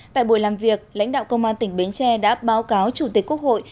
tại buổi làm việc lãnh đạo công an tỉnh bến tre đã báo cáo chủ tịch quốc hội